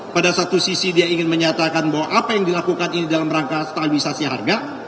pada satu sisi dia ingin menyatakan bahwa apa yang dilakukan ini dalam rangka stabilisasi harga